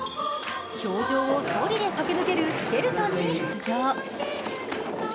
氷上をそりで駆け抜けるスケルトンに出場。